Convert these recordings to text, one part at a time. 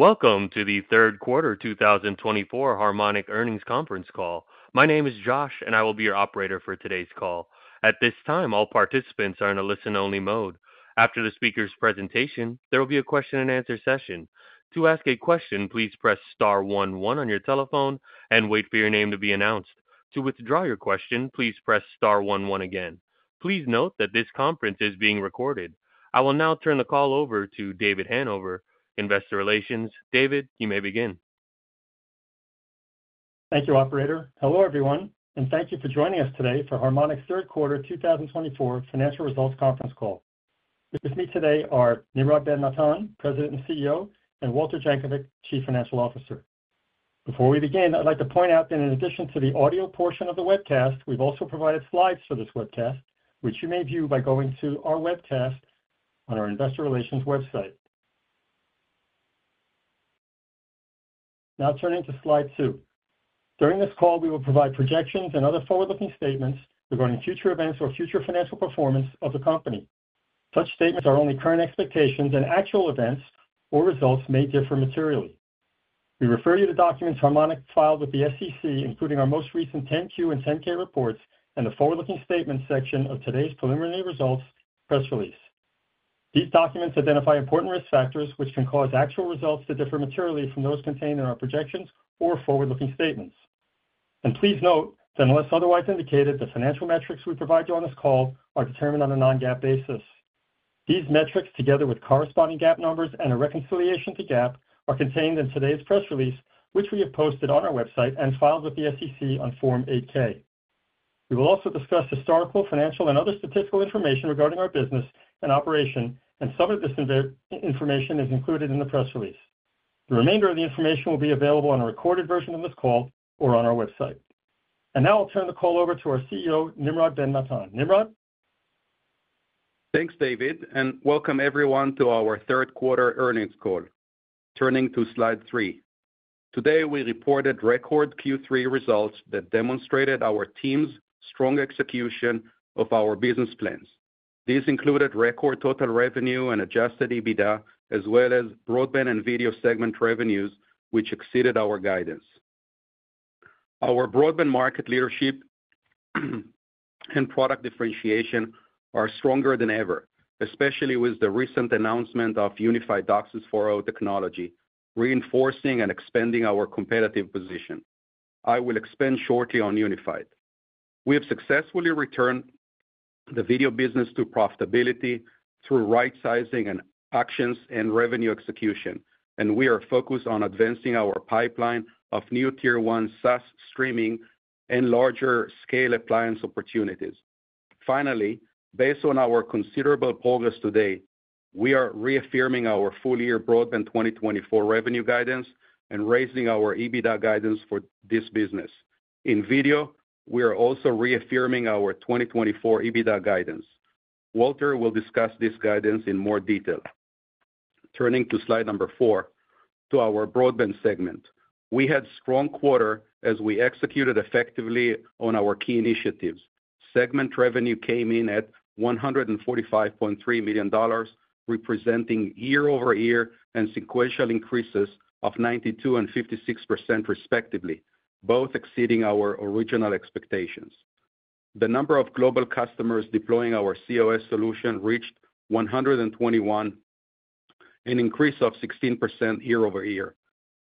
Welcome to the third quarter 2024 Harmonic Earnings Conference Call. My name is Josh, and I will be your operator for today's call. At this time, all participants are in a listen-only mode. After the speaker's presentation, there will be a question-and-answer session. To ask a question, please press star one one on your telephone and wait for your name to be announced. To withdraw your question, please press star one one again. Please note that this conference is being recorded. I will now turn the call over to David Hanover, Investor Relations. David, you may begin. Thank you, operator. Hello, everyone, and thank you for joining us today for Harmonic's third quarter 2024 financial results conference call. With me today are Nimrod Ben-Natan, President and CEO, and Walter Jankovic, Chief Financial Officer. Before we begin, I'd like to point out that in addition to the audio portion of the webcast, we've also provided slides for this webcast, which you may view by going to our webcast on our investor relations website. Now turning to Slide two. During this call, we will provide projections and other forward-looking statements regarding future events or future financial performance of the company. Such statements are only current expectations, and actual events or results may differ materially. We refer you to documents Harmonic filed with the SEC, including our most recent 10-Q and 10-K reports, and the forward-looking statements section of today's preliminary results press release. These documents identify important risk factors, which can cause actual results to differ materially from those contained in our projections or forward-looking statements, and please note that unless otherwise indicated, the financial metrics we provide you on this call are determined on a Non-GAAP basis. These metrics, together with corresponding GAAP numbers and a reconciliation to GAAP, are contained in today's press release, which we have posted on our website and filed with the SEC on Form 8-K. We will also discuss historical, financial, and other statistical information regarding our business and operation, and some of this information is included in the press release. The remainder of the information will be available on a recorded version of this call or on our website, and now I'll turn the call over to our CEO, Nimrod Ben-Natan. Nimrod? Thanks, David, and welcome everyone to our third quarter earnings call. Turning to Slide three. Today, we reported record Q3 results that demonstrated our team's strong execution of our business plans. These included record total revenue and Adjusted EBITDA, as well as broadband and video segment revenues, which exceeded our guidance. Our broadband market leadership and product differentiation are stronger than ever, especially with the recent announcement of Unified DOCSIS 4.0 technology, reinforcing and expanding our competitive position. I will expand shortly on Unified. We have successfully returned the video business to profitability through right sizing and actions and revenue execution, and we are focused on advancing our pipeline of new Tier 1 SaaS streaming and larger scale appliance opportunities. Finally, based on our considerable progress today, we are reaffirming our full-year broadband 2024 revenue guidance and raising our EBITDA guidance for this business. In video, we are also reaffirming our 2024 EBITDA guidance. Walter will discuss this guidance in more detail. Turning to slide number four, to our broadband segment. We had strong quarter as we executed effectively on our key initiatives. Segment revenue came in at $145.3 million, representing year-over-year and sequential increases of 92% and 56%, respectively, both exceeding our original expectations. The number of global customers deploying our cOS solution reached 121, an increase of 16% year-over-year.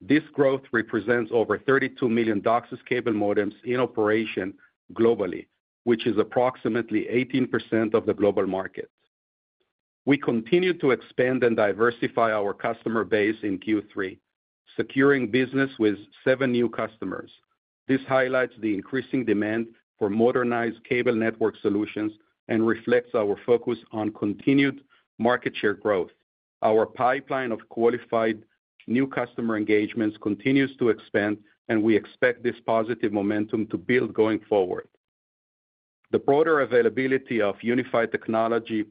This growth represents over 32 million DOCSIS cable modems in operation globally, which is approximately 18% of the global market. We continue to expand and diversify our customer base in Q3, securing business with seven new customers. This highlights the increasing demand for modernized cable network solutions and reflects our focus on continued market share growth. Our pipeline of qualified new customer engagements continues to expand, and we expect this positive momentum to build going forward. The broader availability of Unified technology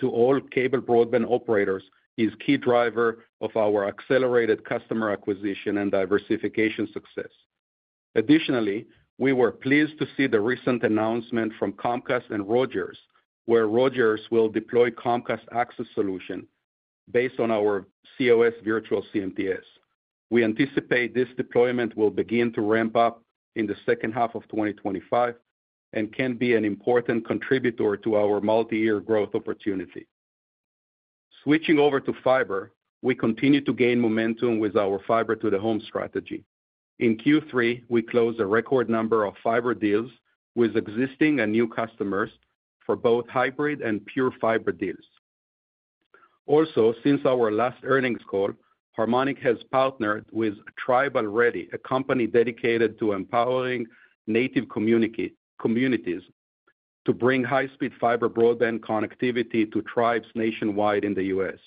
to all cable broadband operators is key driver of our accelerated customer acquisition and diversification success. Additionally, we were pleased to see the recent announcement from Comcast and Rogers, where Rogers will deploy Comcast access solution based on our cOS virtual CMTS. We anticipate this deployment will begin to ramp up in the second half of 2025 and can be an important contributor to our multi-year growth opportunity. Switching over to fiber, we continue to gain momentum with our fiber to the home strategy. In Q3, we closed a record number of fiber deals with existing and new customers for both hybrid and pure fiber deals. Also, since our last earnings call, Harmonic has partnered with Tribal Ready, a company dedicated to empowering native communities to bring high-speed fiber broadband connectivity to tribes nationwide in the U.S.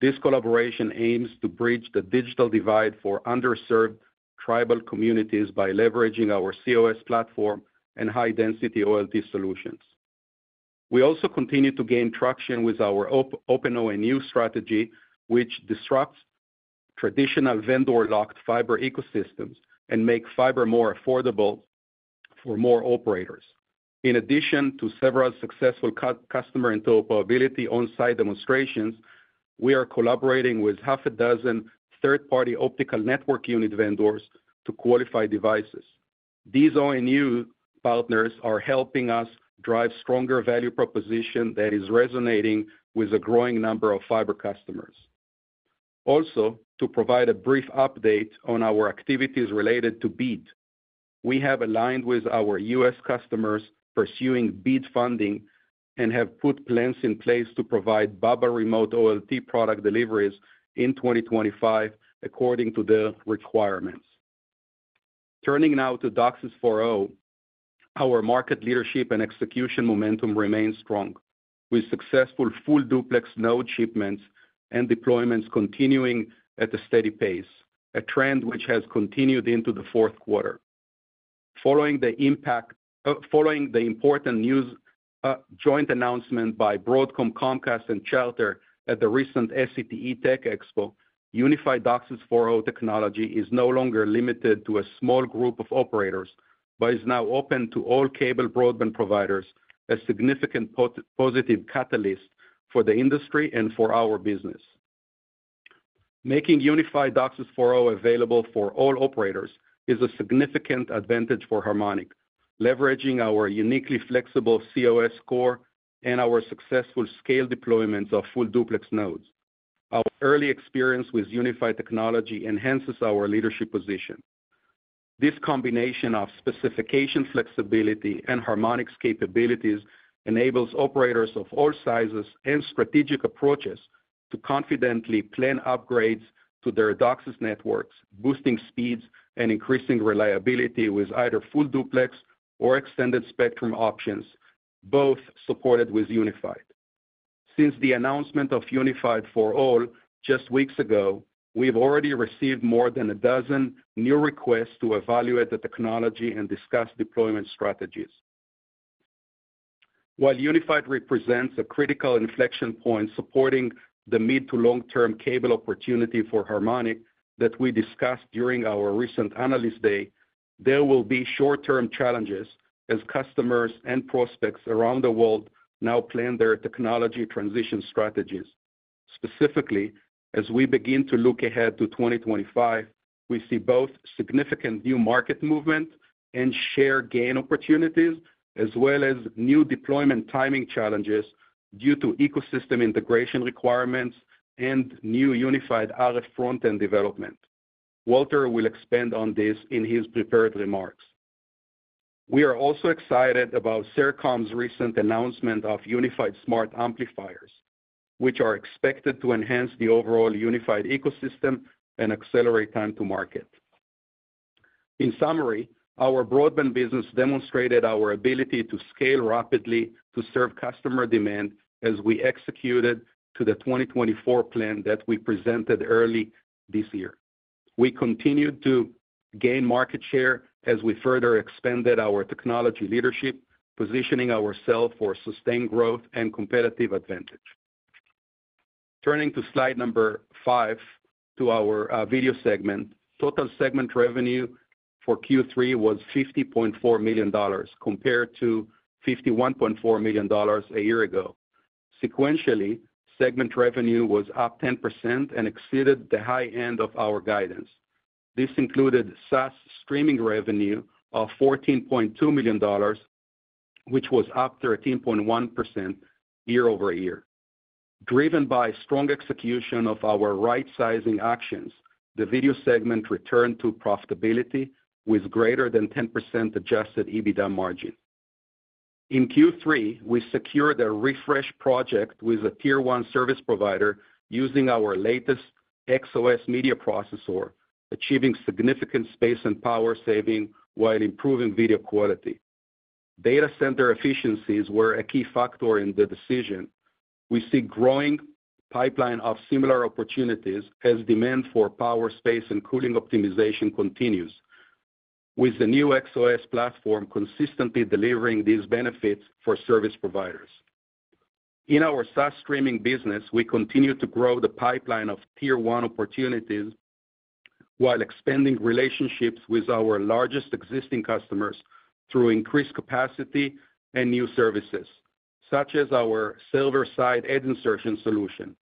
This collaboration aims to bridge the digital divide for underserved tribal communities by leveraging our cOS platform and high-density OLT solutions. We also continue to gain traction with our Open ONU strategy, which disrupts traditional vendor-locked fiber ecosystems and make fiber more affordable for more operators. In addition to several successful customer interoperability on-site demonstrations, we are collaborating with half a dozen third-party optical network unit vendors to qualify devices. These ONU partners are helping us drive stronger value proposition that is resonating with a growing number of fiber customers. Also, to provide a brief update on our activities related to BEAD. We have aligned with our U.S. customers pursuing BEAD funding and have put plans in place to provide BABA remote OLT product deliveries in 2025, according to the requirements. Turning now to DOCSIS 4.0, our market leadership and execution momentum remains strong, with successful full duplex node shipments and deployments continuing at a steady pace, a trend which has continued into the fourth quarter. Following the important news, joint announcement by Broadcom, Comcast, and Charter at the recent SCTE TechExpo, Unified DOCSIS 4.0 technology is no longer limited to a small group of operators, but is now open to all cable broadband providers, a significant positive catalyst for the industry and for our business. Making Unified DOCSIS 4.0 available for all operators is a significant advantage for Harmonic. Leveraging our uniquely flexible cOS core and our successful scale deployments of full duplex nodes, our early experience with Unified technology enhances our leadership position. This combination of specification flexibility and Harmonic's capabilities enables operators of all sizes and strategic approaches to confidently plan upgrades to their DOCSIS networks, boosting speeds and increasing reliability with either full duplex or extended spectrum options, both supported with Unified. Since the announcement of Unified for all, just weeks ago, we've already received more than a dozen new requests to evaluate the technology and discuss deployment strategies. While Unified represents a critical inflection point supporting the mid to long-term cable opportunity for Harmonic that we discussed during our recent Analyst Day, there will be short-term challenges as customers and prospects around the world now plan their technology transition strategies. Specifically, as we begin to look ahead to FY 2025, we see both significant new market movement and share gain opportunities, as well as new deployment timing challenges due to ecosystem integration requirements and new Unified RF front-end development. Walter will expand on this in his prepared remarks. We are also excited about Sercomm's recent announcement of Unified smart amplifiers, which are expected to enhance the overall Unified ecosystem and accelerate time to market. In summary, our broadband business demonstrated our ability to scale rapidly to serve customer demand as we executed to the FY 2024 plan that we presented early this year. We continued to gain market share as we further expanded our technology leadership, positioning ourselves for sustained growth and competitive advantage. Turning to slide number five, to our video segment. Total segment revenue for Q3 was $50.4 million, compared to $51.4 million a year ago. Sequentially, segment revenue was up 10% and exceeded the high end of our guidance. This included SaaS streaming revenue of $14.2 million, which was up 13.1% year-over-year. Driven by strong execution of our right-sizing actions, the video segment returned to profitability with greater than 10% Adjusted EBITDA margin. In Q3, we secured a refresh project with a tier 1 service provider using our latest XOS media processor, achieving significant space and power saving while improving video quality. Data center efficiencies were a key factor in the decision. We see growing pipeline of similar opportunities as demand for power, space, and cooling optimization continues, with the new XOS platform consistently delivering these benefits for service providers. In our SaaS streaming business, we continue to grow the pipeline of tier 1 opportunities, while expanding relationships with our largest existing customers through increased capacity and new services, such as our server-side ad insertion solution.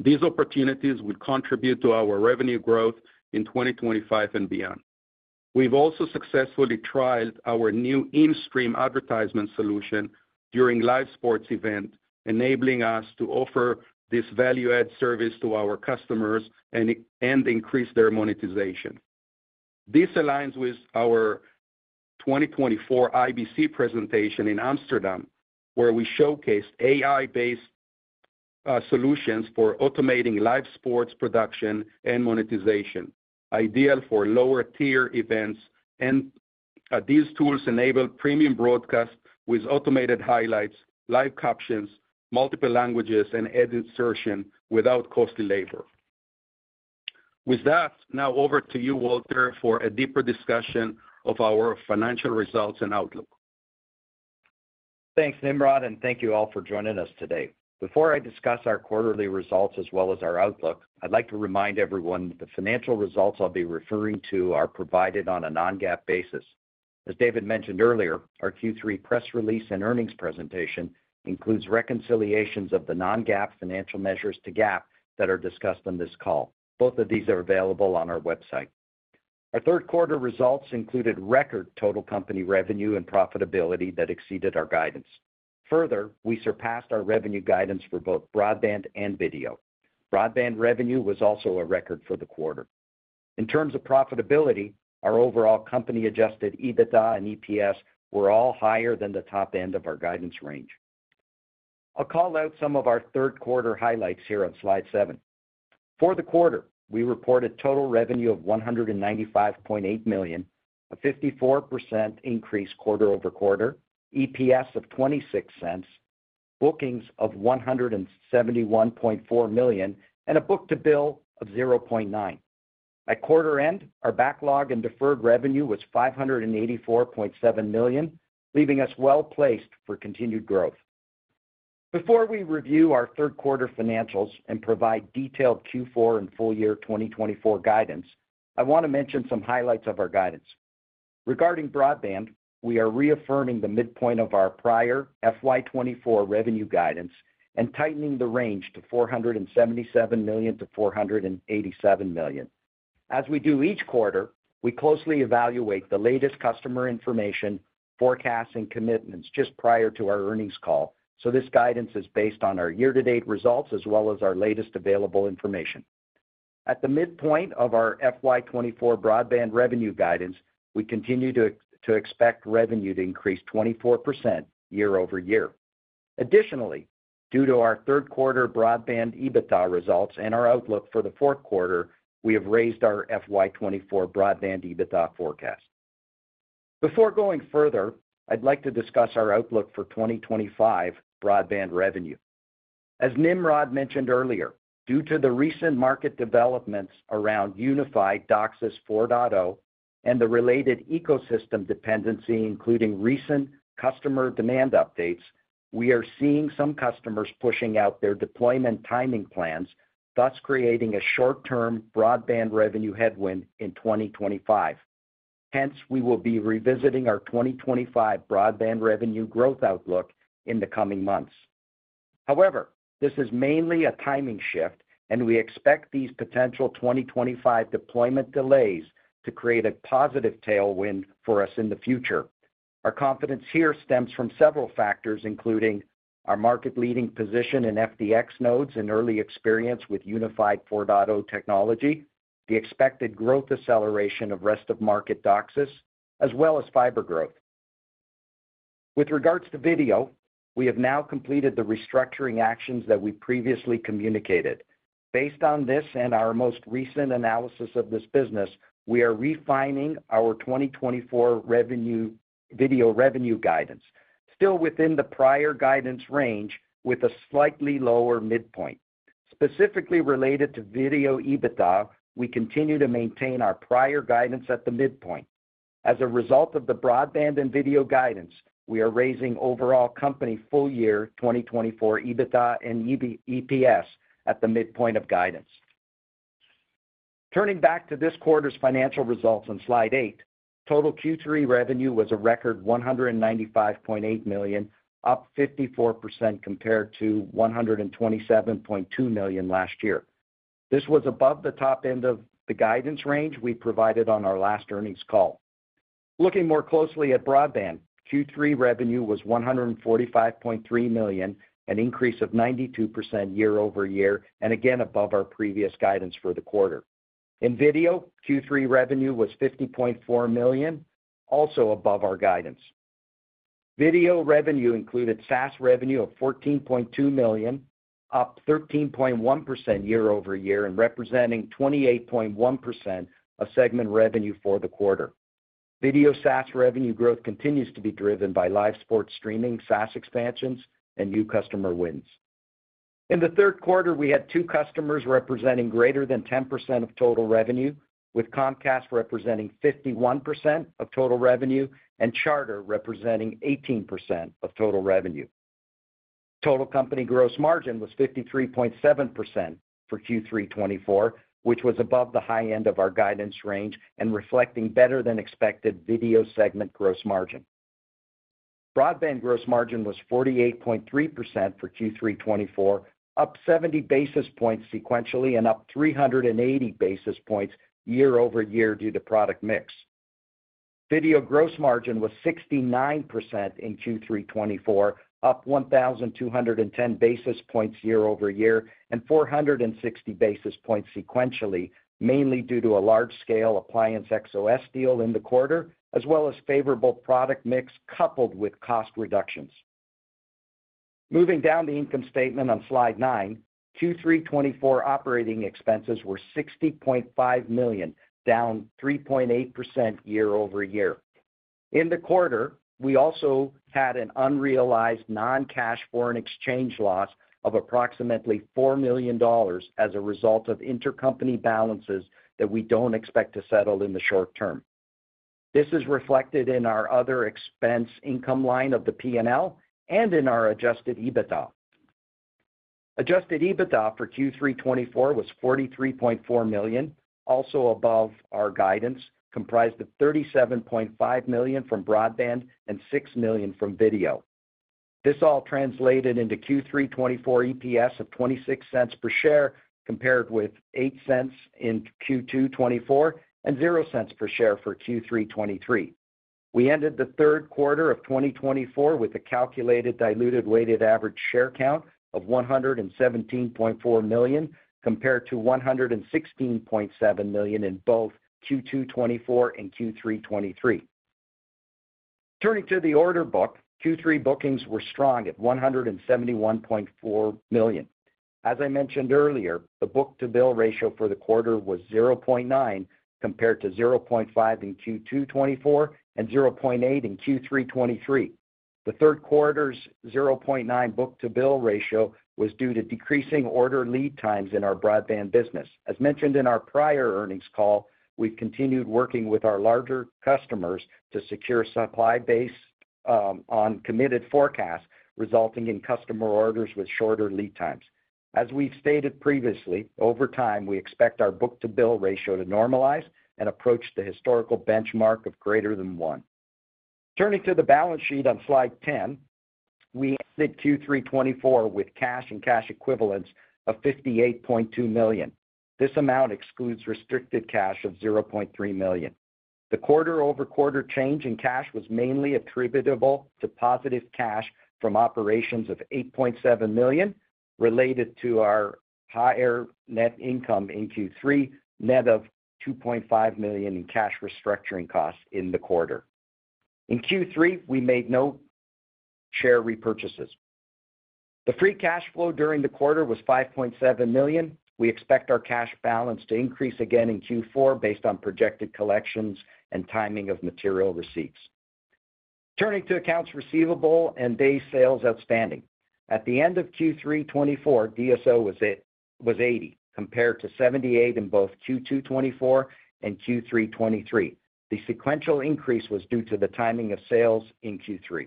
These opportunities will contribute to our revenue growth in 2025 and beyond. We've also successfully trialed our new in-stream advertisement solution during live sports event, enabling us to offer this value-add service to our customers and increase their monetization. This aligns with our 2024 IBC presentation in Amsterdam, where we showcased AI-based solutions for automating live sports production and monetization, ideal for lower-tier events, and these tools enable premium broadcast with automated highlights, live captions, multiple languages, and ad insertion without costly labor. With that, now over to you, Walter, for a deeper discussion of our financial results and outlook.... Thanks, Nimrod, and thank you all for joining us today. Before I discuss our quarterly results as well as our outlook, I'd like to remind everyone that the financial results I'll be referring to are provided on a Non-GAAP basis. As David mentioned earlier, our Q3 press release and earnings presentation includes reconciliations of the Non-GAAP financial measures to GAAP that are discussed on this call. Both of these are available on our website. Our third quarter results included record total company revenue and profitability that exceeded our guidance. Further, we surpassed our revenue guidance for both broadband and video. Broadband revenue was also a record for the quarter. In terms of profitability, our overall company Adjusted EBITDA and EPS were all higher than the top end of our guidance range. I'll call out some of our third quarter highlights here on slide seven. For the quarter, we reported total revenue of $195.8 million, a 54% increase quarter-over-quarter, EPS of $0.26, bookings of $171.4 million, and a book-to-bill of 0.9. At quarter end, our backlog and deferred revenue was $584.7 million, leaving us well-placed for continued growth. Before we review our third quarter financials and provide detailed Q4 and full year 2024 guidance, I want to mention some highlights of our guidance. Regarding broadband, we are reaffirming the midpoint of our prior FY 2024 revenue guidance and tightening the range to $477 million-$487 million. As we do each quarter, we closely evaluate the latest customer information, forecasts, and commitments just prior to our earnings call, so this guidance is based on our year-to-date results as well as our latest available information. At the midpoint of our FY 2024 broadband revenue guidance, we continue to expect revenue to increase 24% year-over-year. Additionally, due to our third quarter broadband EBITDA results and our outlook for the fourth quarter, we have raised our FY 2024 broadband EBITDA forecast. Before going further, I'd like to discuss our outlook for 2025 broadband revenue. As Nimrod mentioned earlier, due to the recent market developments around Unified DOCSIS 4.0 and the related ecosystem dependency, including recent customer demand updates, we are seeing some customers pushing out their deployment timing plans, thus creating a short-term broadband revenue headwind in 2025. Hence, we will be revisiting our 2025 broadband revenue growth outlook in the coming months. However, this is mainly a timing shift, and we expect these potential 2025 deployment delays to create a positive tailwind for us in the future. Our confidence here stems from several factors, including our market-leading position in FDX nodes and early experience with Unified 4.0 technology, the expected growth acceleration of rest of market DOCSIS, as well as fiber growth. With regards to video, we have now completed the restructuring actions that we previously communicated. Based on this and our most recent analysis of this business, we are refining our 2024 video revenue guidance, still within the prior guidance range, with a slightly lower midpoint. Specifically related to video EBITDA, we continue to maintain our prior guidance at the midpoint. As a result of the broadband and video guidance, we are raising overall company full year 2024 EBITDA and EPS at the midpoint of guidance. Turning back to this quarter's financial results on Slide 8, total Q3 revenue was a record $195.8 million, up 54% compared to $127.2 million last year. This was above the top end of the guidance range we provided on our last earnings call. Looking more closely at broadband, Q3 revenue was $145.3 million, an increase of 92% year-over-year, and again, above our previous guidance for the quarter. In video, Q3 revenue was $50.4 million, also above our guidance. Video revenue included SaaS revenue of $14.2 million, up 13.1% year-over-year, and representing 28.1% of segment revenue for the quarter. Video SaaS revenue growth continues to be driven by live sports streaming, SaaS expansions, and new customer wins. In the third quarter, we had two customers representing greater than 10% of total revenue, with Comcast representing 51% of total revenue and Charter representing 18% of total revenue. Total company gross margin was 53.7% for Q3 2024, which was above the high end of our guidance range and reflecting better-than-expected video segment gross margin. Broadband gross margin was 48.3% for Q3 2024, up 70 basis points sequentially and up 380 basis points year-over-year due to product mix. Video gross margin was 69% in Q3 2024, up 1,210 basis points year-over-year and 460 basis points sequentially, mainly due to a large-scale appliance XOS deal in the quarter, as well as favorable product mix coupled with cost reductions. Moving down the income statement on slide 9, Q3 2024 operating expenses were $60.5 million, down 3.8% year-over-year. In the quarter, we also had an unrealized non-cash foreign exchange loss of approximately $4 million as a result of intercompany balances that we don't expect to settle in the short term. This is reflected in our other expense income line of the P&L and in our Adjusted EBITDA. Adjusted EBITDA for Q3 2024 was $43.4 million, also above our guidance, comprised of $37.5 million from broadband and $6 million from video. This all translated into Q3 2024 EPS of $0.26 per share, compared with $0.08 in Q2 2024 and $0.00 per share for Q3 2023. We ended the third quarter of 2024 with a calculated diluted weighted average share count of 117.4 million, compared to 116.7 million in both Q2 2024 and Q3 2023. Turning to the order book, Q3 bookings were strong at $171.4 million. As I mentioned earlier, the book-to-bill ratio for the quarter was 0.9, compared to 0.5 in Q2 2024 and 0.8 in Q3 2023. The third quarter's 0.9 book-to-bill ratio was due to decreasing order lead times in our broadband business. As mentioned in our prior earnings call, we've continued working with our larger customers to secure supply base on committed forecasts, resulting in customer orders with shorter lead times. As we've stated previously, over time, we expect our book-to-bill ratio to normalize and approach the historical benchmark of greater than one. Turning to the balance sheet on Slide 10, we ended Q3 2024 with cash and cash equivalents of $58.2 million. This amount excludes restricted cash of $0.3 million. The quarter-over-quarter change in cash was mainly attributable to positive cash from operations of $8.7 million, related to our higher net income in Q3, net of $2.5 million in cash restructuring costs in the quarter. In Q3, we made no share repurchases. The free cash flow during the quarter was $5.7 million. We expect our cash balance to increase again in Q4 2024 based on projected collections and timing of material receipts. Turning to accounts receivable and day sales outstanding. At the end of Q3 2024, DSO was 80, compared to 78 in both Q2 2024 and Q3 2023. The sequential increase was due to the timing of sales in Q3 2024.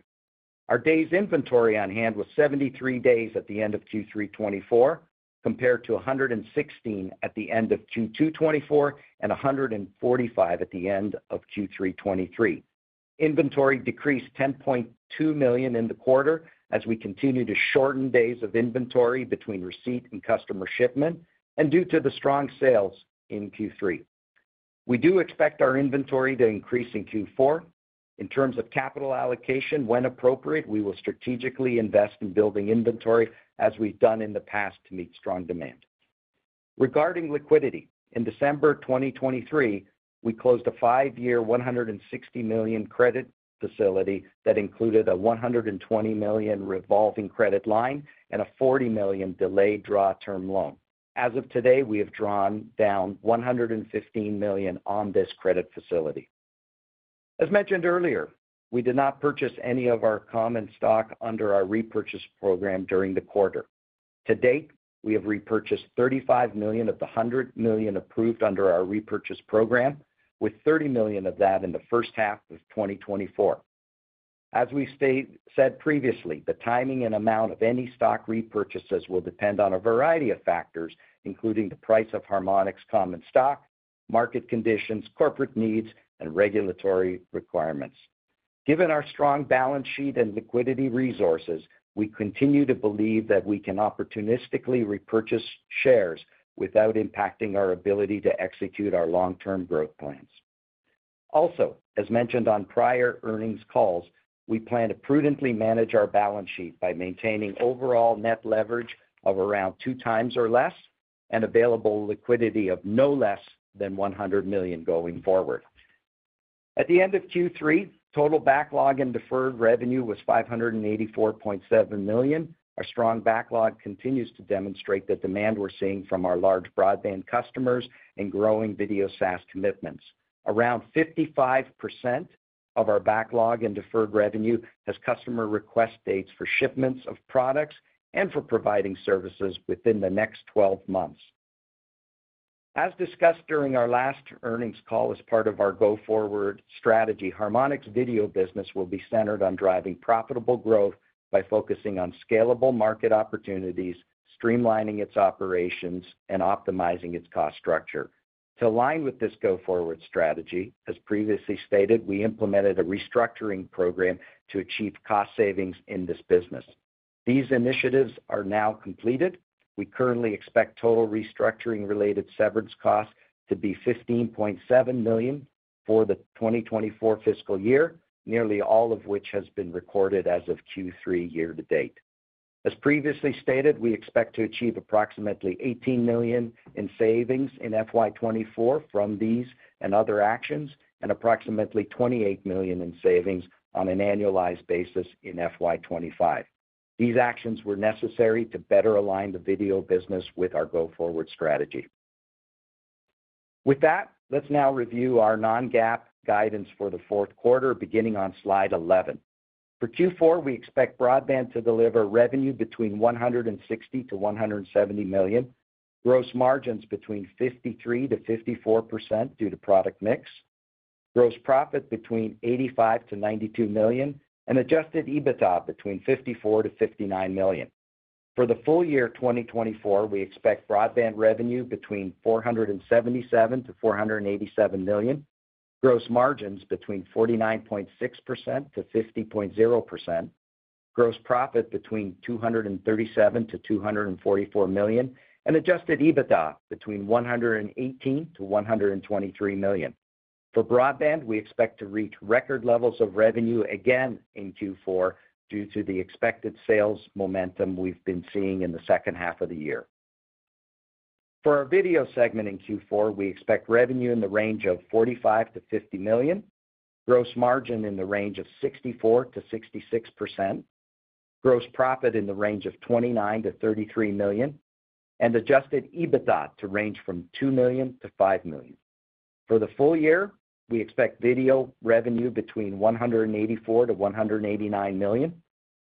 Our days inventory on hand was 73 days at the end of Q3 2024, compared to 116 at the end of Q2 2024 and 145 at the end of Q3 2023. Inventory decreased $10.2 million in the quarter as we continue to shorten days of inventory between receipt and customer shipment and due to the strong sales in Q3 2024. We do expect our inventory to increase in Q4 2024. In terms of capital allocation, when appropriate, we will strategically invest in building inventory as we've done in the past to meet strong demand. Regarding liquidity, in December 2023, we closed a five-year, $160 million credit facility that included a $120 million revolving credit line and a $40 million delayed draw term loan. As of today, we have drawn down $115 million on this credit facility. As mentioned earlier, we did not purchase any of our common stock under our repurchase program during the quarter. To date, we have repurchased $35 million of the $100 million approved under our repurchase program, with $30 million of that in the first half of 2024. As we said previously, the timing and amount of any stock repurchases will depend on a variety of factors, including the price of Harmonic's common stock, market conditions, corporate needs, and regulatory requirements. Given our strong balance sheet and liquidity resources, we continue to believe that we can opportunistically repurchase shares without impacting our ability to execute our long-term growth plans. Also, as mentioned on prior earnings calls, we plan to prudently manage our balance sheet by maintaining overall net leverage of around two times or less and available liquidity of no less than $100 million going forward. At the end of Q3, total backlog and deferred revenue was $584.7 million. Our strong backlog continues to demonstrate the demand we're seeing from our large broadband customers and growing video SaaS commitments. Around 55% of our backlog and deferred revenue has customer request dates for shipments of products and for providing services within the next 12 months. As discussed during our last earnings call, as part of our go-forward strategy, Harmonic's video business will be centered on driving profitable growth by focusing on scalable market opportunities, streamlining its operations, and optimizing its cost structure. To align with this go-forward strategy, as previously stated, we implemented a restructuring program to achieve cost savings in this business. These initiatives are now completed. We currently expect total restructuring-related severance costs to be $15.7 million for the 2024 fiscal year, nearly all of which has been recorded as of Q3 year to date. As previously stated, we expect to achieve approximately $18 million in savings in FY 2024 from these and other actions, and approximately $28 million in savings on an annualized basis in FY 2025. These actions were necessary to better align the video business with our go-forward strategy. With that, let's now review our Non-GAAP guidance for the fourth quarter, beginning on Slide 11. For Q4, we expect broadband to deliver revenue between $160 million-$170 million, gross margins between 53%-54% due to product mix, gross profit between $85 million-$92 million, and Adjusted EBITDA between $54 million-$59 million. For the full year 2024, we expect broadband revenue between $477 million-$487 million, gross margins between 49.6%-50.0%, gross profit between $237 million-$244 million, and Adjusted EBITDA between $118 million-$123 million. For broadband, we expect to reach record levels of revenue again in Q4 due to the expected sales momentum we've been seeing in the second half of the year. For our video segment in Q4, we expect revenue in the range of $45 million-$50 million, gross margin in the range of 64%-66%, gross profit in the range of $29 million-$33 million, and Adjusted EBITDA to range from $2 million-$5 million. For the full year, we expect video revenue between $184 million-$189 million,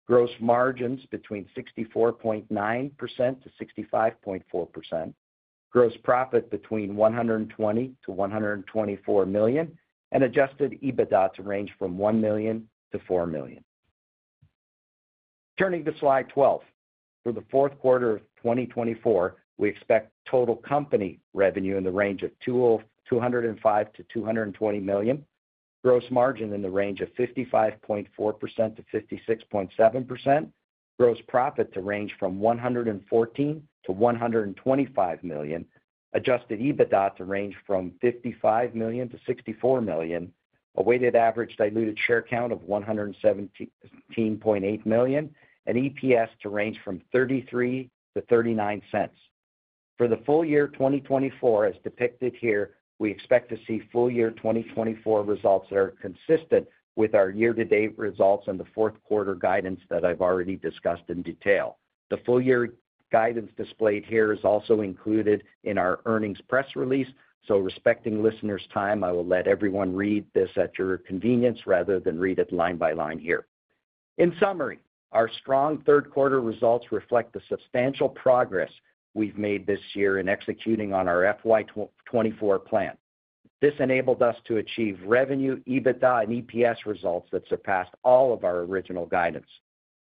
gross margins between 64.9%-65.4%, gross profit between $120 million-$124 million, and Adjusted EBITDA to range from $1 million-$4 million. Turning to slide 12. For the fourth quarter of 2024, we expect total company revenue in the range of $205 million-$220 million, gross margin in the range of 55.4%-56.7%, gross profit to range from $114 million to $125 million, Adjusted EBITDA to range from $55million to $64 million, a weighted average diluted share count of 117.8 million, and EPS to range from $0.33 to $0.39. For the full year 2024, as depicted here, we expect to see full year FY 2024 results that are consistent with our year-to-date results and the fourth quarter guidance that I've already discussed in detail. The full year guidance displayed here is also included in our earnings press release, so respecting listeners' time, I will let everyone read this at your convenience rather than read it line by line here. In summary, our strong third quarter results reflect the substantial progress we've made this year in executing on our FY 2024 plan. This enabled us to achieve revenue, EBITDA, and EPS results that surpassed all of our original guidance.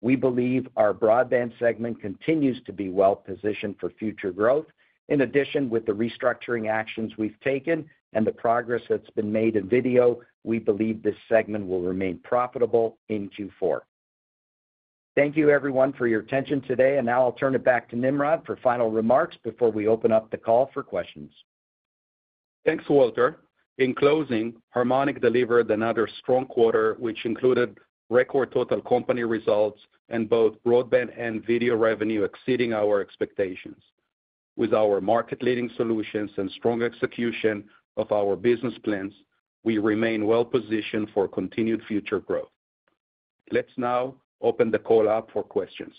We believe our broadband segment continues to be well positioned for future growth. In addition, with the restructuring actions we've taken and the progress that's been made in video, we believe this segment will remain profitable in Q4. Thank you everyone for your attention today, and now I'll turn it back to Nimrod for final remarks before we open up the call for questions. Thanks, Walter. In closing, Harmonic delivered another strong quarter, which included record total company results and both broadband and video revenue exceeding our expectations. With our market-leading solutions and strong execution of our business plans, we remain well positioned for continued future growth. Let's now open the call up for questions.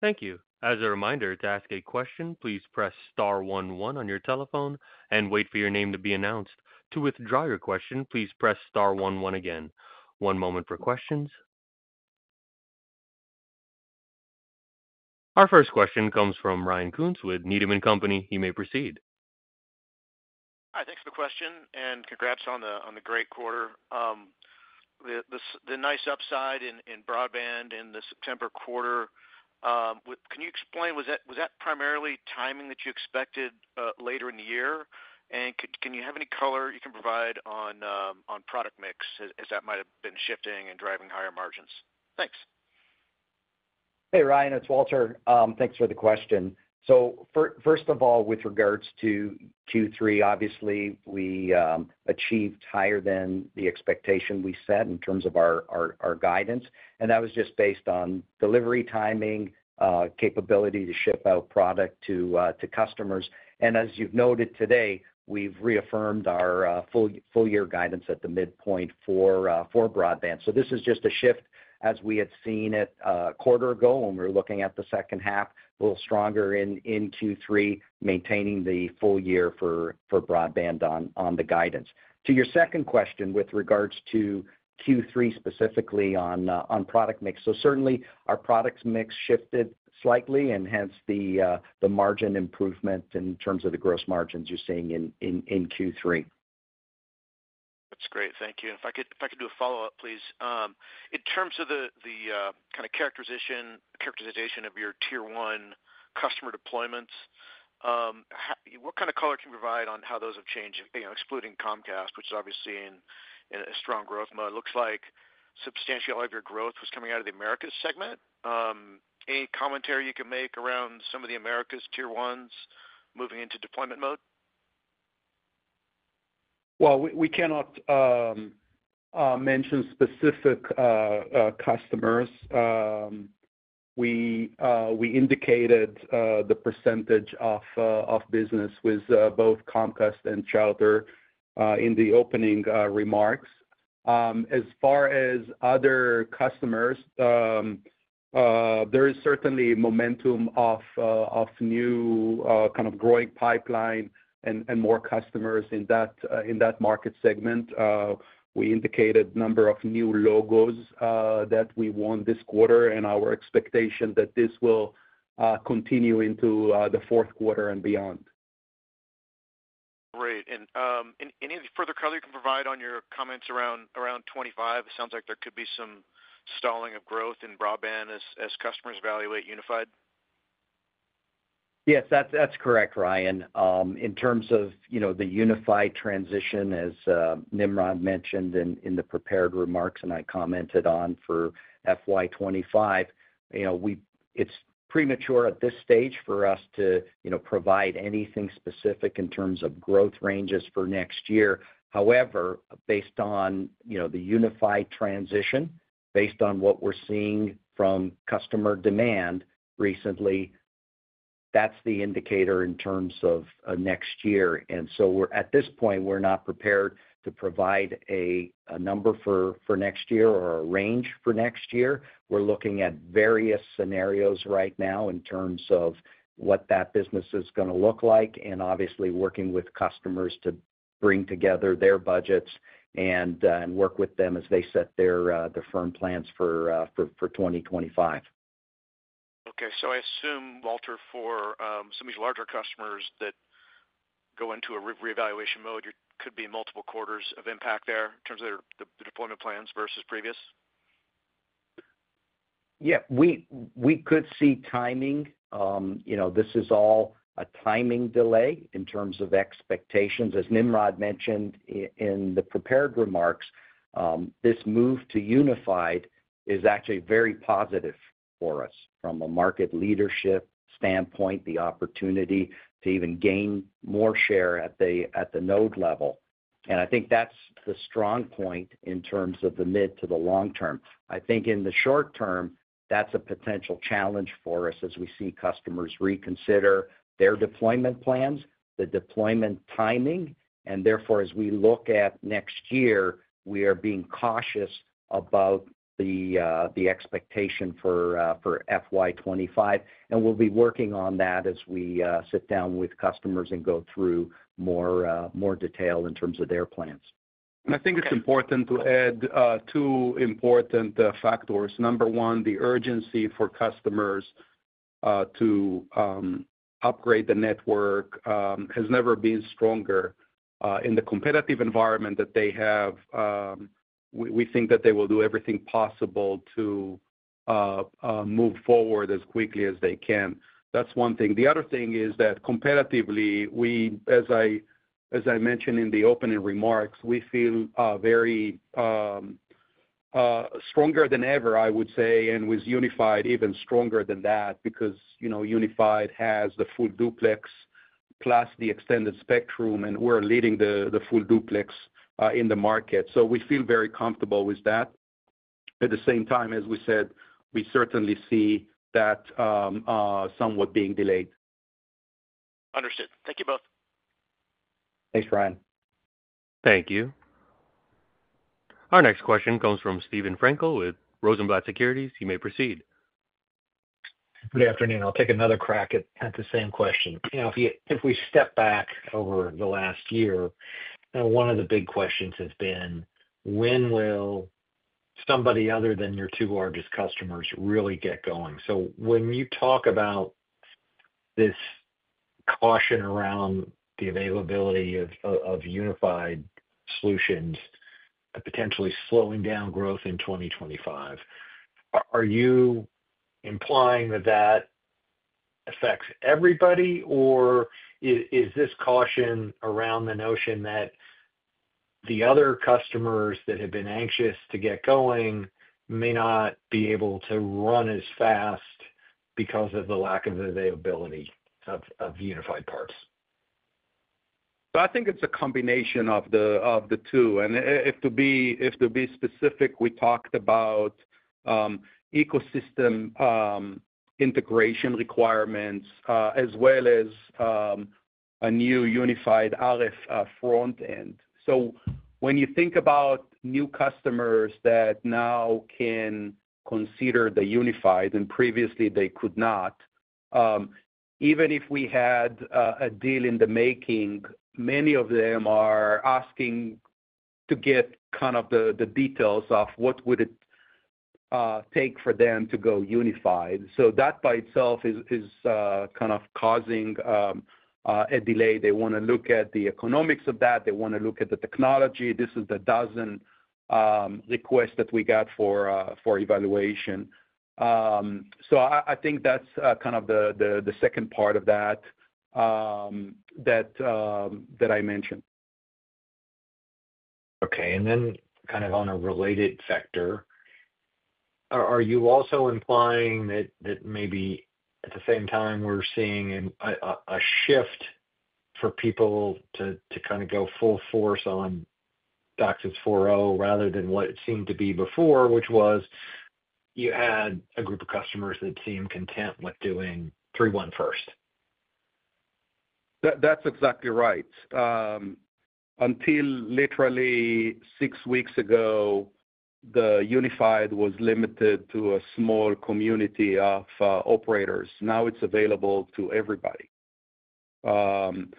Thank you. As a reminder, to ask a question, please press star one one on your telephone and wait for your name to be announced. To withdraw your question, please press star one one again. One moment for questions. Our first question comes from Ryan Koontz with Needham and Company. He may proceed. Hi, thanks for the question, and congrats on the great quarter. The nice upside in broadband in the September quarter, can you explain, was that primarily timing that you expected later in the year? And can you have any color you can provide on product mix as that might have been shifting and driving higher margins? Thanks. Hey, Ryan, it's Walter. Thanks for the question. So first of all, with regards to Q3, obviously, we achieved higher than the expectation we set in terms of our guidance, and that was just based on delivery timing, capability to ship out product to customers. And as you've noted today, we've reaffirmed our full year guidance at the midpoint for broadband. So this is just a shift as we had seen it a quarter ago when we were looking at the second half, a little stronger in Q3, maintaining the full year for broadband on the guidance. To your second question, with regards to Q3, specifically on product mix, so certainly our products mix shifted slightly, and hence the margin improvement in terms of the gross margins you're seeing in Q3. That's great. Thank you. If I could do a follow-up, please. In terms of the kind of characterization of your tier 1 customer deployments, what kind of color can you provide on how those have changed, you know, excluding Comcast, which is obviously in a strong growth mode? It looks like substantially all of your growth was coming out of the Americas segment. Any commentary you can make around some of the Americas tier 1s moving into deployment mode? We cannot mention specific customers. We indicated the percentage of business with both Comcast and Charter in the opening remarks. As far as other customers, there is certainly momentum of new kind of growing pipeline and more customers in that market segment. We indicated number of new logos that we won this quarter, and our expectation that this will continue into the fourth quarter and beyond. Great. And any further color you can provide on your comments around twenty-five? It sounds like there could be some stalling of growth in broadband as customers evaluate Unified. Yes, that's correct, Ryan. In terms of, you know, the Unified transition, as Nimrod mentioned in the prepared remarks, and I commented on for FY 2025, you know, we, it's premature at this stage for us to, you know, provide anything specific in terms of growth ranges for next year. However, based on, you know, the Unified transition, based on what we're seeing from customer demand recently, that's the indicator in terms of next year. And so we're, at this point, we're not prepared to provide a number for next year or a range for next year. We're looking at various scenarios right now in terms of what that business is gonna look like, and obviously working with customers to bring together their budgets and work with them as they set their firm plans for 2025. Okay. So I assume, Walter, for some of these larger customers that go into a reevaluation mode, there could be multiple quarters of impact there in terms of their, the deployment plans versus previous? Yeah, we could see timing. You know, this is all a timing delay in terms of expectations. As Nimrod mentioned in the prepared remarks, this move to Unified is actually very positive for us from a market leadership standpoint, the opportunity to even gain more share at the node level. And I think that's the strong point in terms of the mid to the long term. I think in the short term, that's a potential challenge for us as we see customers reconsider their deployment plans, the deployment timing, and therefore, as we look at next year, we are being cautious about the expectation for FY 2025. And we'll be working on that as we sit down with customers and go through more detail in terms of their plans. I think it's important to add two important factors. Number one, the urgency for customers to upgrade the network has never been stronger. In the competitive environment that they have, we think that they will do everything possible to move forward as quickly as they can. That's one thing. The other thing is that competitively, we, as I mentioned in the opening remarks, we feel very stronger than ever, I would say, and with Unified, even stronger than that, because, you know, Unified has the full duplex plus the extended spectrum, and we're leading the full duplex in the market. So we feel very comfortable with that. At the same time, as we said, we certainly see that somewhat being delayed. Understood. Thank you both. Thanks, Ryan. Thank you. Our next question comes from Steven Frankel with Rosenblatt Securities. You may proceed. Good afternoon. I'll take another crack at the same question. You know, if you—if we step back over the last year, one of the big questions has been: When will somebody other than your two largest customers really get going? So when you talk about this caution around the availability of Unified solutions, potentially slowing down growth in FY 2025, are you implying that that affects everybody, or is this caution around the notion that the other customers that have been anxious to get going may not be able to run as fast because of the lack of availability of the Unified parts? So I think it's a combination of the, of the two. And if to be specific, we talked about ecosystem integration requirements, as well as a new Unified RF front end. So when you think about new customers that now can consider the Unified, and previously they could not, even if we had a deal in the making, many of them are asking to get kind of the details of what would it take for them to go Unified. So that, by itself, is kind of causing a delay. They want to look at the economics of that. They want to look at the technology. This is the dozen requests that we got for evaluation. So, I think that's kind of the second part of that that I mentioned. Okay. And then kind of on a related vector, are you also implying that maybe at the same time, we're seeing a shift for people to kind of go full force on DOCSIS 4.0 rather than what it seemed to be before, which was you had a group of customers that seemed content with doing 3.1 first?... That, that's exactly right. Until literally six weeks ago, the Unified was limited to a small community of operators. Now it's available to everybody. When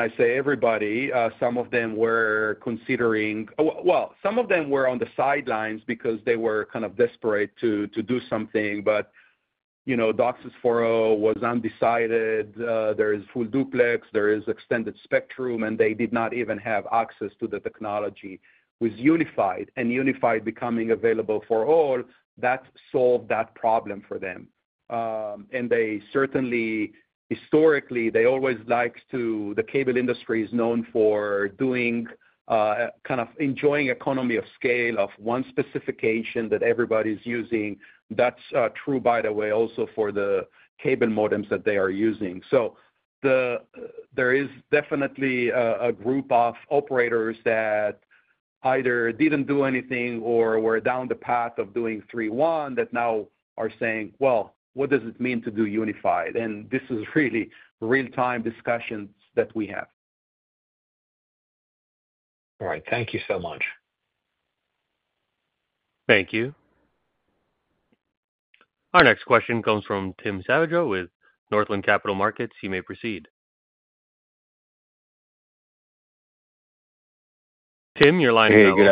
I say everybody, some of them were considering, well, some of them were on the sidelines because they were kind of desperate to do something, but, you know, DOCSIS 4.0 was undecided. There is full duplex, there is extended spectrum, and they did not even have access to the technology. With Unified, and Unified becoming available for all, that solved that problem for them. And they certainly, historically, they always liked to, the cable industry is known for doing kind of enjoying economy of scale of one specification that everybody's using. That's true, by the way, also for the cable modems that they are using. There is definitely a group of operators that either didn't do anything or were down the path of doing 3.1 that now are saying, "Well, what does it mean to do Unified?" And this is really real-time discussions that we have. All right. Thank you so much. Thank you. Our next question comes from Tim Savageaux with Northland Capital Markets. You may proceed. Tim, your line is now open. Hey, good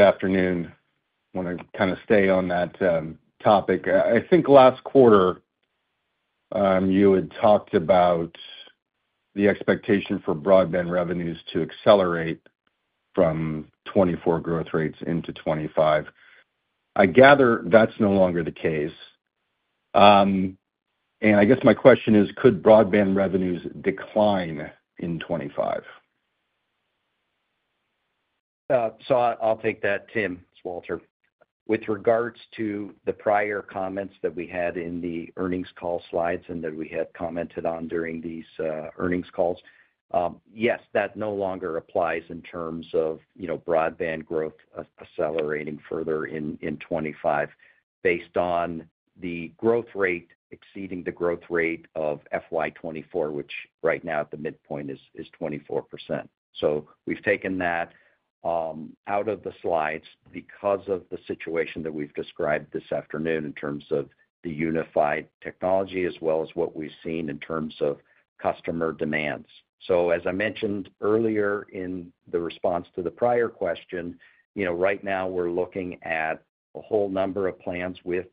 afternoon. I want to kind of stay on that topic. I think last quarter you had talked about the expectation for broadband revenues to accelerate from 2024 growth rates into 2025. I gather that's no longer the case. And I guess my question is, could broadband revenues decline in 2025? I'll take that, Tim. It's Walter. With regards to the prior comments that we had in the earnings call slides and that we had commented on during these earnings calls, yes, that no longer applies in terms of, you know, broadband growth accelerating further in 2025, based on the growth rate exceeding the growth rate of FY 2024, which right now at the midpoint is 24%. We've taken that out of the slides because of the situation that we've described this afternoon in terms of the Unified technology as well as what we've seen in terms of customer demands. As I mentioned earlier in the response to the prior question, you know, right now we're looking at a whole number of plans with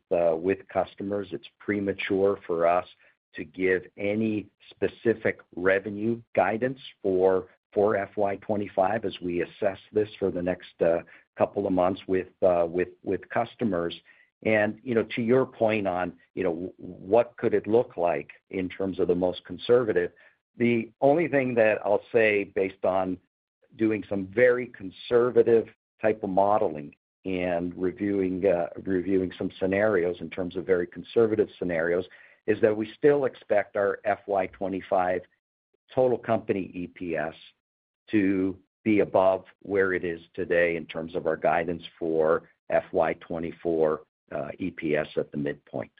customers. It's premature for us to give any specific revenue guidance for FY 2025 as we assess this for the next couple of months with customers. And, you know, to your point on, you know, what could it look like in terms of the most conservative? The only thing that I'll say, based on doing some very conservative type of modeling and reviewing some scenarios in terms of very conservative scenarios, is that we still expect our FY 2025 total company EPS to be above where it is today in terms of our guidance for FY 2024 EPS at the midpoint.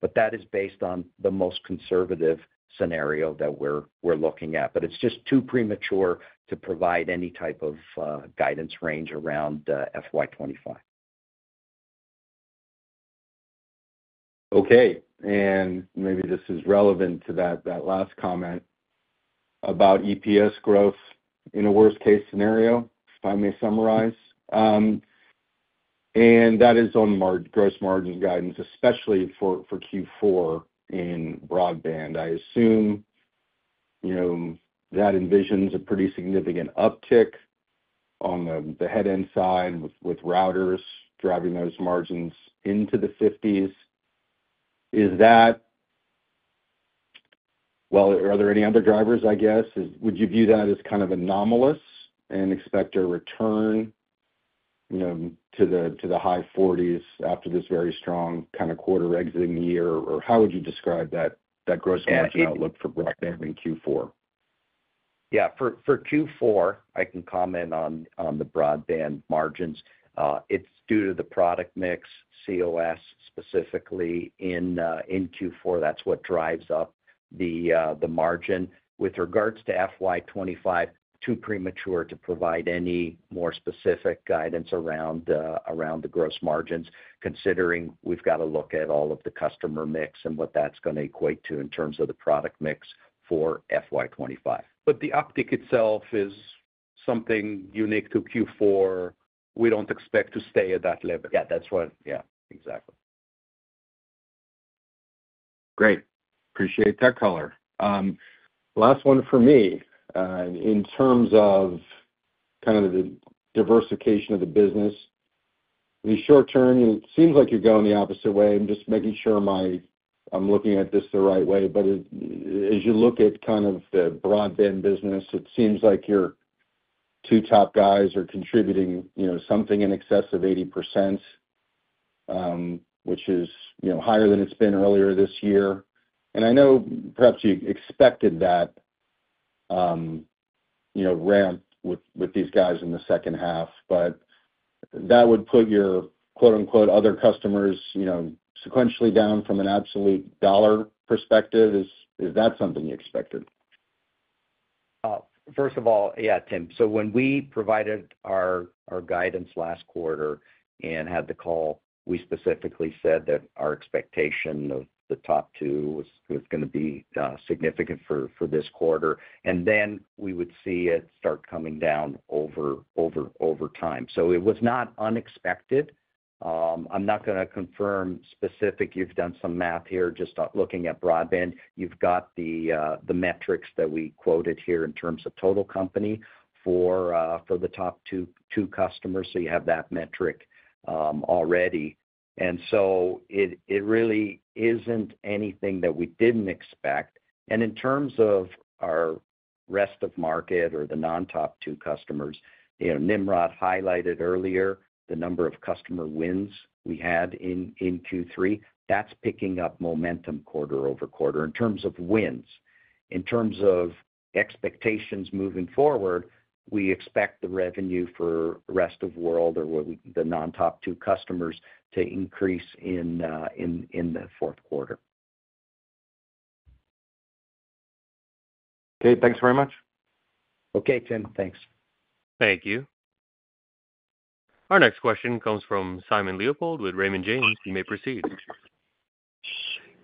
But that is based on the most conservative scenario that we're looking at. But it's just too premature to provide any type of guidance range around FY 2025. Okay, and maybe this is relevant to that, that last comment about EPS growth in a worst case scenario, if I may summarize. And that is on gross margin guidance, especially for Q4 in broadband. I assume, you know, that envisions a pretty significant uptick on the head end side with routers driving those margins into the fifties. Is that? Well, are there any other drivers, I guess? Would you view that as kind of anomalous and expect a return, you know, to the high forties after this very strong kind of quarter exiting the year? Or how would you describe that gross margin outlook for broadband in Q4? Yeah, for Q4, I can comment on the broadband margins. It's due to the product mix, cOS, specifically in Q4. That's what drives up the margin. With regards to FY 2025, too premature to provide any more specific guidance around the gross margins, considering we've got to look at all of the customer mix and what that's going to equate to in terms of the product mix for FY 2025. But the uptick itself is something unique to Q4. We don't expect to stay at that level. Yeah, that's right. Yeah, exactly. Great. Appreciate that color. Last one for me. In terms of kind of the diversification of the business, in the short term, it seems like you're going the opposite way. I'm just making sure I'm looking at this the right way, but as you look at kind of the broadband business, it seems like your two top guys are contributing, you know, something in excess of 80%, which is, you know, higher than it's been earlier this year. And I know perhaps you expected that, you know, ramp with these guys in the second half, but that would put your quote, unquote, other customers, you know, sequentially down from an absolute dollar perspective. Is that something you expected? First of all, yeah, Tim. So when we provided our guidance last quarter and had the call, we specifically said that our expectation of the top two was going to be significant for this quarter, and then we would see it start coming down over time. So it was not unexpected. I'm not going to confirm specific. You've done some math here. Just looking at broadband, you've got the metrics that we quoted here in terms of total company for the top two, two customers, so you have that metric already. And so it really isn't anything that we didn't expect. And in terms of our rest of market or the non-top two customers, you know, Nimrod highlighted earlier the number of customer wins we had in Q3. That's picking up momentum quarter-over-quarter in terms of wins. In terms of expectations moving forward, we expect the revenue for the rest of world or what the non-top two customers to increase in the fourth quarter. Okay, thanks very much. Okay, Tim. Thanks. Thank you. Our next question comes from Simon Leopold with Raymond James. You may proceed.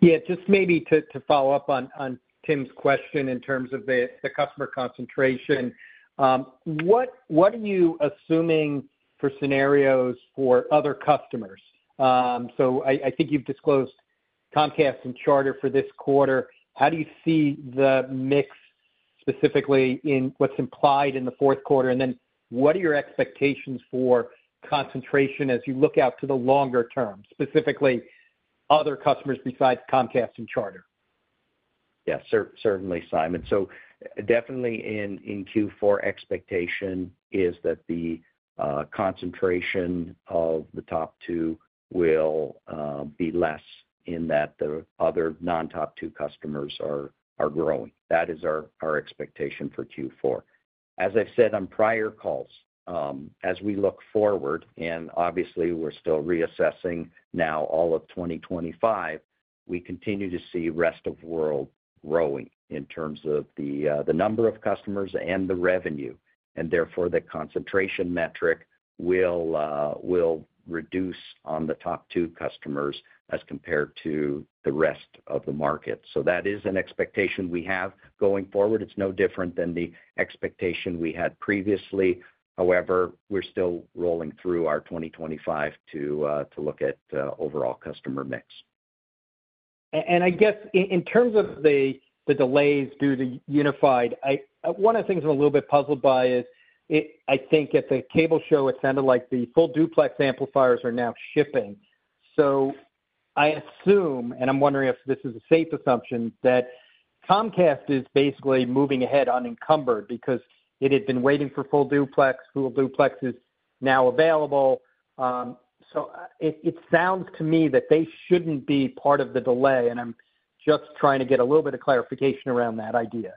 Yeah, just maybe to follow up on Tim's question in terms of the customer concentration. What are you assuming for scenarios for other customers? So I think you've disclosed Comcast and Charter for this quarter. How do you see the mix, specifically in what's implied in the fourth quarter? And then, what are your expectations for concentration as you look out to the longer term, specifically other customers besides Comcast and Charter? Yeah, certainly, Simon. So definitely in Q4, expectation is that the concentration of the top two will be less, in that the other non-top two customers are growing. That is our expectation for Q4. As I've said on prior calls, as we look forward, and obviously we're still reassessing now all of 2025, we continue to see rest of world growing in terms of the number of customers and the revenue, and therefore, the concentration metric will reduce on the top two customers as compared to the rest of the market. So that is an expectation we have going forward. It's no different than the expectation we had previously. However, we're still rolling through our 2025 to look at overall customer mix. And I guess in terms of the delays due to Unified, one of the things I'm a little bit puzzled by is I think at the cable show, it sounded like the full duplex amplifiers are now shipping. So I assume, and I'm wondering if this is a safe assumption, that Comcast is basically moving ahead unencumbered because it had been waiting for full duplex. Full duplex is now available, so it sounds to me that they shouldn't be part of the delay, and I'm just trying to get a little bit of clarification around that idea.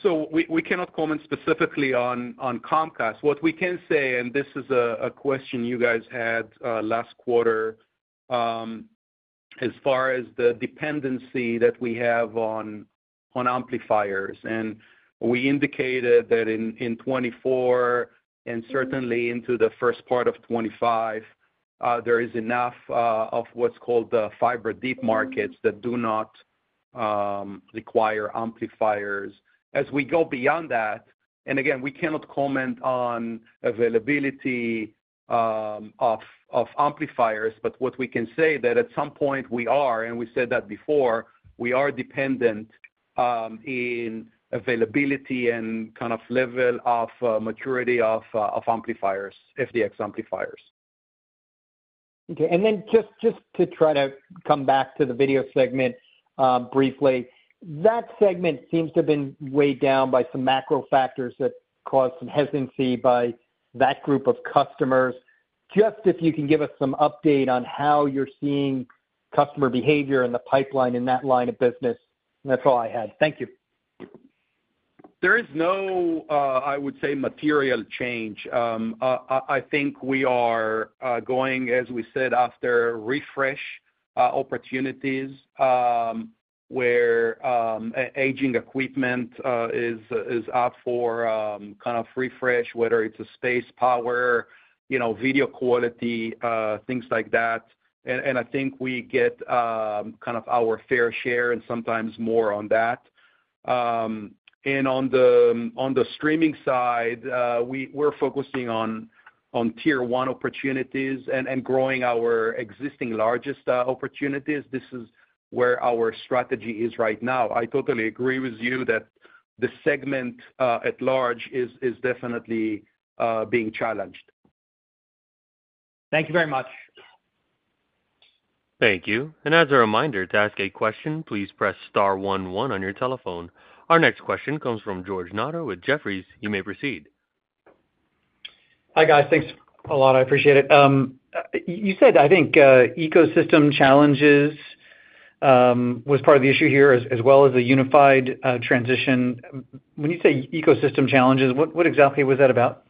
So we cannot comment specifically on Comcast. What we can say, and this is a question you guys had last quarter, as far as the dependency that we have on amplifiers. And we indicated that in 2024 and certainly into the first part of 2025, there is enough of what's called the fiber deep markets that do not require amplifiers. As we go beyond that, and again, we cannot comment on availability of amplifiers, but what we can say that at some point, we are, and we said that before, we are dependent in availability and kind of level of maturity of amplifiers, FDX amplifiers. Okay, and then just to try to come back to the video segment, briefly. That segment seems to have been weighed down by some macro factors that caused some hesitancy by that group of customers. Just if you can give us some update on how you're seeing customer behavior and the pipeline in that line of business. That's all I had. Thank you. There is no, I would say, material change. I think we are going, as we said, after refresh opportunities, where aging equipment is up for kind of refresh, whether it's a space power, you know, video quality, things like that. I think we get kind of our fair share and sometimes more on that. And on the streaming side, we're focusing on tier 1 opportunities and growing our existing largest opportunities. This is where our strategy is right now. I totally agree with you that the segment at large is definitely being challenged. Thank you very much. Thank you. And as a reminder, to ask a question, please press star one one on your telephone. Our next question comes from George Notter with Jefferies. You may proceed. Hi, guys. Thanks a lot, I appreciate it. You said, I think, ecosystem challenges was part of the issue here, as well as a Unified transition. When you say ecosystem challenges, what exactly was that about?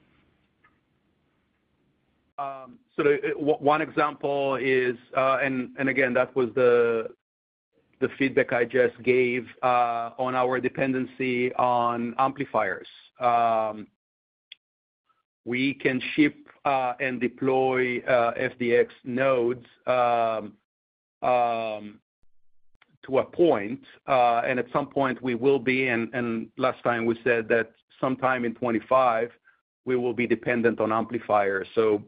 So one example is, and again, that was the feedback I just gave on our dependency on amplifiers. We can ship and deploy FDX nodes to a point, and at some point we will be, and last time we said that sometime in 2025, we will be dependent on amplifiers. So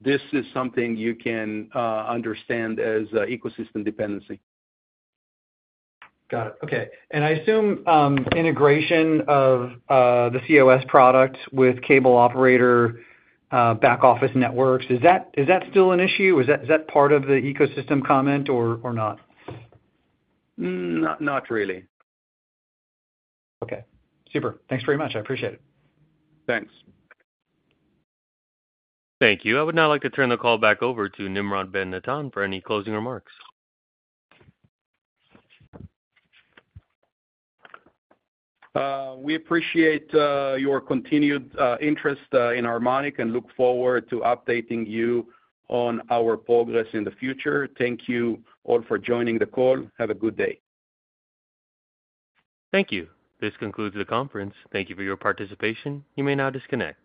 this is something you can understand as ecosystem dependency. Got it. Okay. And I assume integration of the cOS product with cable operator back office networks, is that still an issue? Is that part of the ecosystem comment or not? Mm, not really. Okay, super. Thanks very much. I appreciate it. Thanks. Thank you. I would now like to turn the call back over to Nimrod Ben-Natan for any closing remarks. We appreciate your continued interest in Harmonic and look forward to updating you on our progress in the future. Thank you all for joining the call. Have a good day. Thank you. This concludes the conference. Thank you for your participation. You may now disconnect.